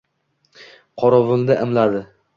Qorovulni imladi.